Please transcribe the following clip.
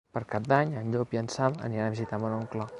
Per Cap d'Any en Llop i en Sam aniran a visitar mon oncle.